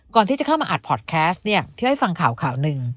ก่อนที่จะเข้ามาอัดพอดแคสต์พี่ให้ฟังข่าวหนึ่ง